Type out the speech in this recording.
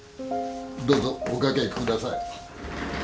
どうぞお掛けください。